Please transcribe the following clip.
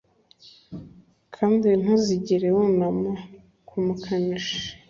Kandi ntuzigere wunama kumukanishi